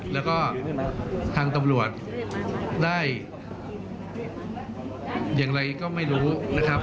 แล้วก็ทางตำรวจได้อย่างไรก็ไม่รู้นะครับ